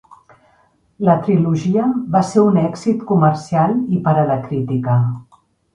La trilogia va ser un èxit comercial i per a la crítica.